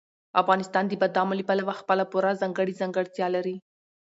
افغانستان د بادامو له پلوه خپله پوره ځانګړې ځانګړتیا لري.